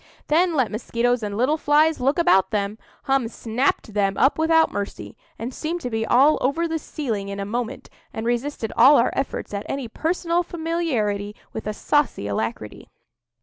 Then let mosquitoes and little flies look about them! Hum snapped them up without mercy, and seemed to be all over the ceiling in a moment, and resisted all our efforts at any personal familiarity with a saucy alacrity.